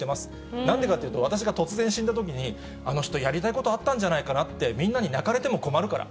なんでかっていうと、私が突然死んだときに、あの人やりたいことあったんじゃないかなって、みんなに泣かれても困るから。